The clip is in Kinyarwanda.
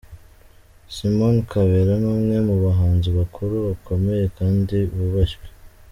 Simon Kabera, ni umwe mu bahanzi bakuru, bakomeye kandi bubashywe.